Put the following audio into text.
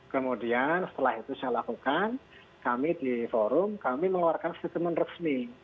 kemudian setelah itu saya lakukan kami di forum kami mengeluarkan statement resmi